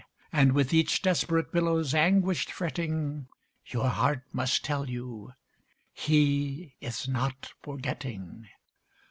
And with each desperate billow's anguished fretting. Your heart must tell you, "He is not forgetting."